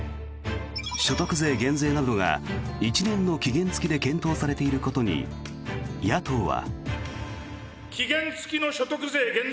所得税減税などが１年の期限付きで検討されていることに野党は。